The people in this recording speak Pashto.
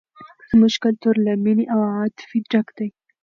زموږ کلتور له مینې او عاطفې ډک دی.